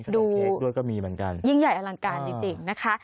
ดูยิ่งใหญ่อลังการจริงนะคะ